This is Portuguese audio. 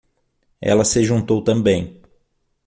Ela se juntou também.